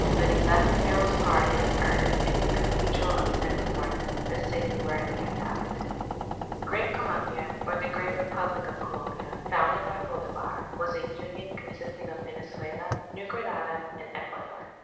But he left the hero's heart in an urn in the Cathedral of Santa Marta, the city where he had died. Great Colombia, or the Great Republic of Colombia, founded by Bolivar, was a Union consisting of Venezuela, New Granada, and Ecuador.